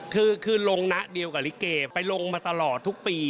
คือลงนะเดียวกับลิเกไปลงมาตลอดทุกปี